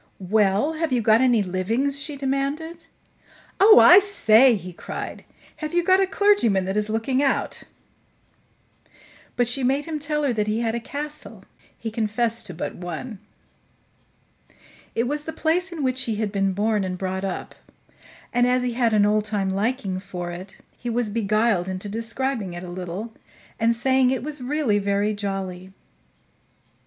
"Well, have you got any livings?" she demanded. "Oh, I say!" he cried. "Have you got a clergyman that is looking out?" But she made him tell her that he had a castle; he confessed to but one. It was the place in which he had been born and brought up, and, as he had an old time liking for it, he was beguiled into describing it a little and saying it was really very jolly.